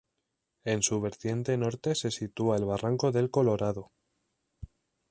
En su vertiente norte se sitúa el Barranco del Colorado.